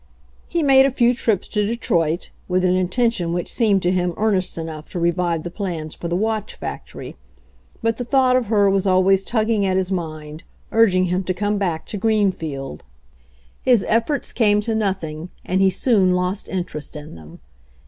He made a few trips to Detroit, with an inten tion which seemed to him earnest enough to re vive the plans for the watch factory, but the thought of her was always tugging at his mind, urging him to come back to Greenfield. His ef 40 THE ROAD TO HYMEN 41 forts came to nothing, and he soon lost interest in them.